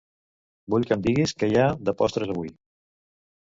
Vull que em diguis què hi ha de postres avui.